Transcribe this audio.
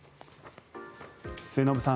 末延さん